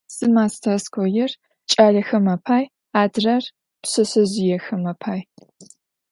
Zı mastêrskoir ç'alexem apay, adrer pşseşsezjıêxem apay.